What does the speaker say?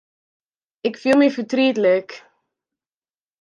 Ik fiel my fertrietlik.